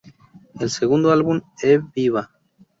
El segundo álbum E Viva!